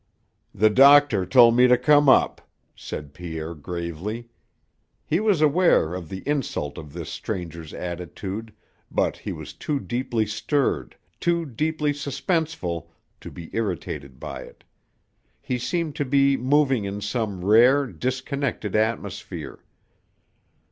"The doctor told me to come up," said Pierre gravely. He was aware of the insult of this stranger's attitude, but he was too deeply stirred, too deeply suspenseful, to be irritated by it. He seemed to be moving in some rare, disconnected atmosphere.